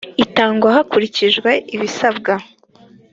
itangwa hakurikijwe ibisabwa